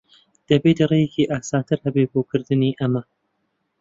دەبێت ڕێیەکی ئاسانتر ھەبێت بۆ کردنی ئەمە.